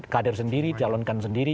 kadir sendiri jalankan sendiri